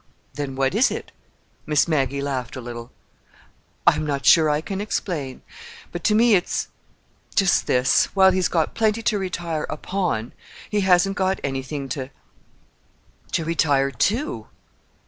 "Then what is it?" Miss Maggie laughed a little. "I'm not sure I can explain. But, to me, it's—just this: while he's got plenty to retire upon, he hasn't got anything to—to retire to."